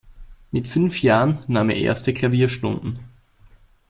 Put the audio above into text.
Mit fünf Jahren nahm er erste Klavierstunden.